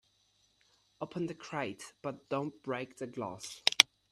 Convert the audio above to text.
Open the crate but don't break the glass.